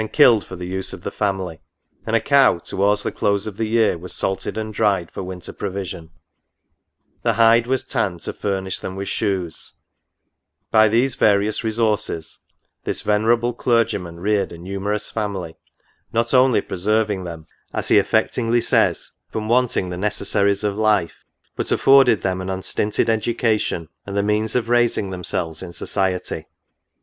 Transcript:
61 killed for the use of the family ; and a cow, towards the close of the year, was salted and dried, for winter provision : the hide was tanned to furnish them with shoes By these various resources, this venerable clergyman reared a numer ous family, not only preserving them, as he affectingly says, " from wanting the necessaries of life ;" but afforded them an unstinted education, and the means of raising themselves in society.